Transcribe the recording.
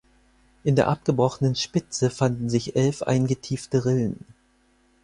An der abgebrochenen Spitze fanden sich elf eingetiefte Rillen.